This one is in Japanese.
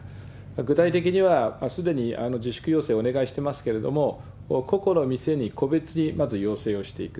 具体的にはすでに自粛要請をお願いしていますけれども、個々の店に個別にまず要請していく。